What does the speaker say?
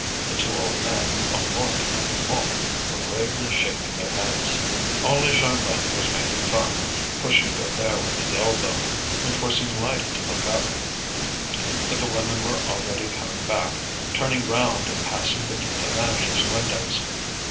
The two old men, Bonnemort and Mouque, were gravely shaking their heads. Only Jeanlin was making fun, pushing Bébert with his elbow, and forcing Lydie to look up. But the women were already coming back, turning round and passing beneath the manager's windows.